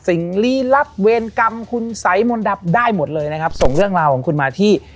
ลี้ลับเวรกรรมคุณสัยมนต์ดำได้หมดเลยนะครับส่งเรื่องราวของคุณมาที่